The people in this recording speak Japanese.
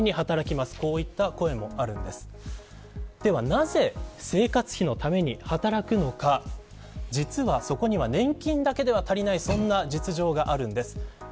なぜ、生活費のために働くのか実はそこには年金だけでは足りないそんな実情があるんです。